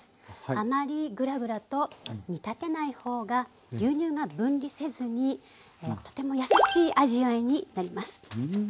あまりぐらぐらと煮立てない方が牛乳が分離せずにとても優しい味わいになります。